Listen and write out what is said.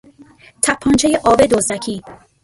تپانچهی آب دزدکی